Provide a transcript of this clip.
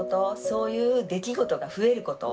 そういう出来事が増えること。